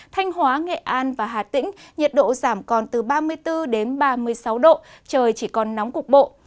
thanh hóa nghệ an và hà tĩnh nhiệt độ giảm còn từ ba mươi bốn đến ba mươi sáu độ trời chỉ còn nóng cục bộ